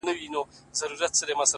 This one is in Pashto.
د ظالم لور؛